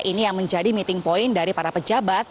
ini yang menjadi meeting point dari para pejabat